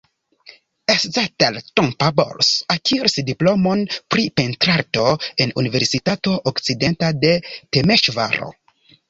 Eszter Tompa-Bors akiris diplomon pri pentrarto en Universitato Okcidenta de Temeŝvaro.